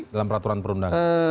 dalam peraturan perundangan